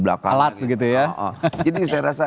belakalat gitu ya jadi saya rasa